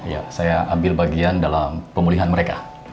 ya saya ambil bagian dalam pemulihan mereka